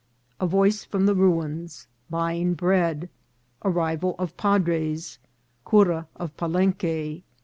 A Voice from the Ruins. — Buying Bread. — Arrival of Padres. — Cura of Palenque.